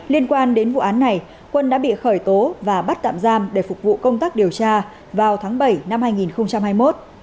liên quan đến vụ án này quân đã bị khởi tố và bắt tạm giam để phục vụ công tác điều tra vào tháng bảy năm hai nghìn hai mươi một